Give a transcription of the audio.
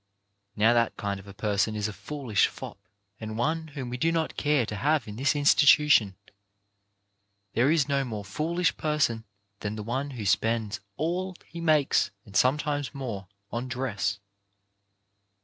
Now that kind of a person is a foolish fop, and one whom we do not care to have in this institu tion. There is no more foolish person than the one who spends all he makes, and sometimes more, on dress.